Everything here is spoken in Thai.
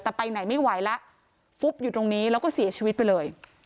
แต่ไปไหนไม่ไหวแล้วฟุบอยู่ตรงนี้แล้วก็เสียชีวิตไปเลย